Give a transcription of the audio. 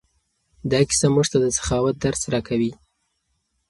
دا کیسه موږ ته د سخاوت درس راکوي.